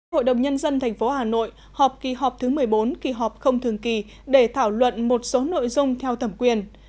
hội đồng nhân dân tp hà nội họp kỳ họp thứ một mươi bốn kỳ họp không thường kỳ để thảo luận một số nội dung theo thẩm quyền